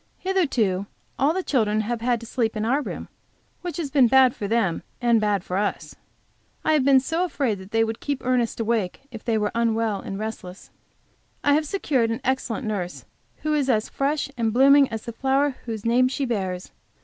Hitherto all the children have had to sleep in our room which has been bad for them and bad for us. I have been so afraid they would keep Ernest awake if they were unwell and restless. I have secured an excellent nurse, who is as fresh and blooming as the flower whose name she bears.